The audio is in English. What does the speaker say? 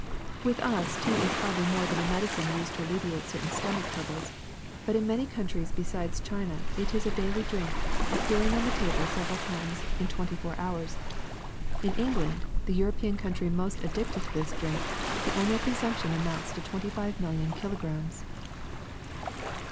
''With us tea is hardly more than a medicine used to alleviate certain stomach troubles; but in many countries besides China it is a daily drink, appear ing on the table several times in the twenty four 19^ THE SECRET OF EVERYDAY THINGS hours. In England, the European country most ad dicted to this drink, the annual consumption amounts to twenty five million kilograms.'